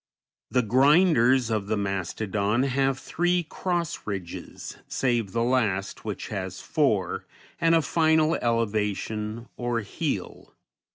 The grinders of the mastodon have three cross ridges, save the last, which has four, and a final elevation, or heel.